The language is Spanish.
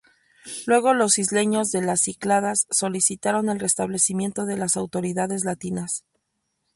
Luego los isleños de las Cícladas solicitaron el restablecimiento de las autoridades latinas.